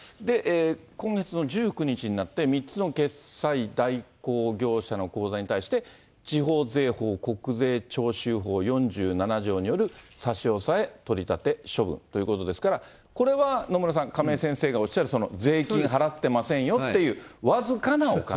今月の１９日になって、３つの決済代行業者の口座に対して、地方税法国税徴収法４７条による差し押さえ、取り立て処分ということですから、これは野村さん、亀井先生がおっしゃる、税金払ってませんよっていう、僅かなお金。